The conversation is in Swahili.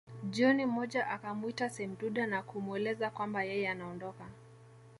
Jioni moja akamwita Semduda na kumweleza kwamba yeye anaondoka